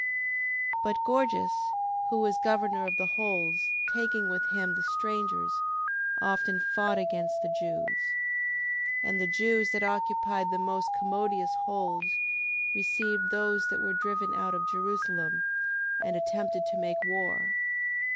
10:14. But Gorgias, who was governor of the holds, taking with him the strangers, often fought against the Jews. 10:15. And the Jews that occupied the most commodious holds, received those that were driven out of Jerusalem, and attempted to make war.